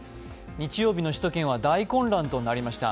日曜の首都圏は大混乱となりました。